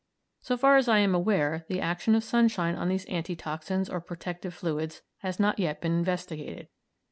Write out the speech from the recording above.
So far as I am aware, the action of sunshine on these anti toxins or protective fluids has not yet been investigated.